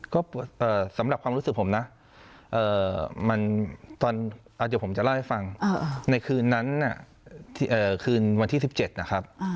ก็สำหรับความรู้สึกผมนะเดี๋ยวผมจะเล่าให้ฟังในคืนนั้นคืนวันที่๑๗นะครับ